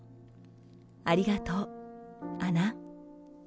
ありがとう、アナ。